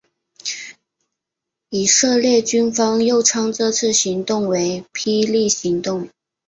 以色列军方又称这次行动为霹雳行动。